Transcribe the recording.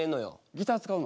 ギター使うの？